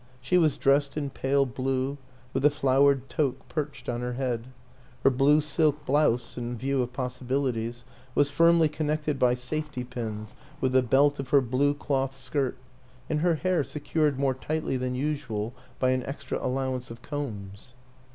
She was dressed in pale blue, with a flowered toque perched on her head; her blue silk blouse, in view of possibilities, was firmly con nected by safety pins with the belt of her blue cloth skirt, and her hair secured more tightly than usual by an extra allowance of combs.